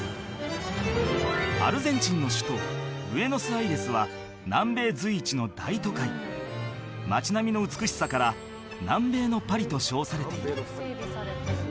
アルゼンチンの首都ブエノスアイレスは南米随一の大都会街並みの美しさから南米のパリと称されている